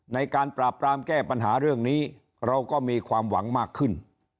ในการปราบปรามแก้ปัญหาเรื่องนี้เราก็มีความหวังมากขึ้น